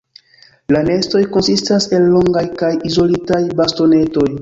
La nestoj konsistas el longaj kaj izolitaj bastonetoj.